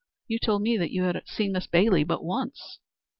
You told me that you had seen Miss Bailey but once."